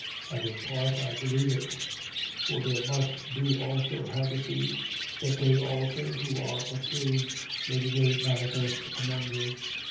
And in part I believe it. 11:19. For there must be also heresies: that they also, who are approved may be made manifest among you.